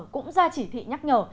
cũng ra chỉ thị nhắc nhở